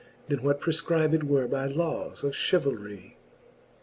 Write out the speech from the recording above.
Then what prefcribed were by lawes of chevalrie.